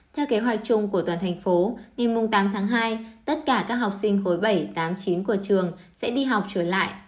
theo kế hoạch chung của toàn thành phố ngày tám tháng hai tất cả các học sinh khối bảy tám mươi chín của trường sẽ đi học trở lại